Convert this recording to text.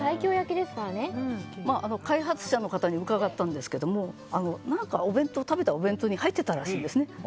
開発者の方に伺ったんですけども食べたお弁当に入ってたらしいんですね。